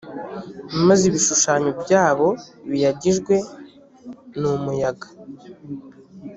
maze ibishushanyo byabo biyagijwe ni umuyaga